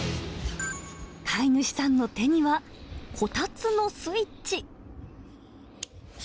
飼い主さんの手には、こたつのスイッチ。